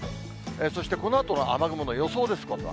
そしてこのあとの雨雲の予想です、今度は。